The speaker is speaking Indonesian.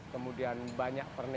kemudian banyak peralatan